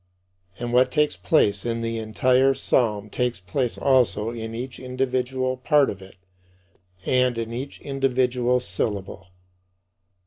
And what takes place in the entire psalm takes place also in each individual part of it and in each individual syllable.